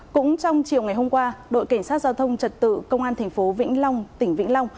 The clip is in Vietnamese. cũng trong chiều ngày hôm qua đội cảnh sát giao thông trật tự công an thành phố vĩnh long tỉnh vĩnh long